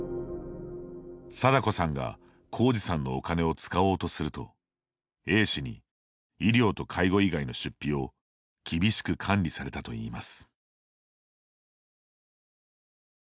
貞子さんが浩直さんのお金を使おうとするとＡ氏に、医療と介護以外の出費を厳しく管理されたといいます。